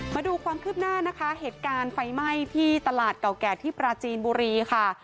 มาดูความคืบหน้านะคะเหตุการณ์ไฟไหม้ที่ตลาดเก่าแก่ที่ปราจีนบุรีค่ะ